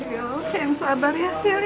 ya allah yang sabar ya silyo